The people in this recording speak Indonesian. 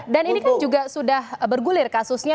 dan ini kan juga sudah bergulir kasusnya